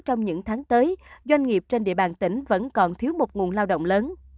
trong những tháng tới doanh nghiệp trên địa bàn tỉnh vẫn còn thiếu một nguồn lao động lớn